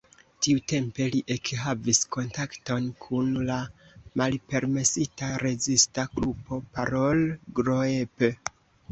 Tiutempe li ekhavis kontakton kun la malpermesita rezista grupo "Parool-groep".